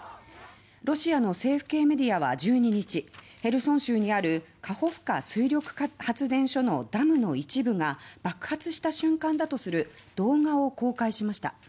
ロシアの政府系メディアは１２日ヘルソン州にあるカホフカ水力発電所のダムの一部が爆発した瞬間だとする動画を公開しました。